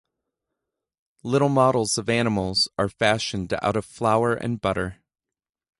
Little models of animals are fashioned out of flour and butter.